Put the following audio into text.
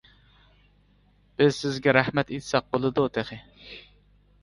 بىز سىزگە رەھمەت ئېيتساق بولىدۇ تېخى.